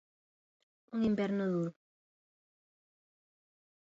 Un inverno duro.